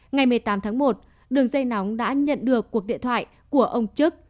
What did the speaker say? ngày một mươi tám tháng một đường dây nóng đã nhận được cuộc điện thoại của ông trức